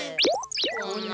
こんな。